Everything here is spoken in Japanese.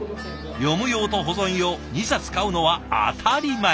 読む用と保存用２冊買うのは当たり前。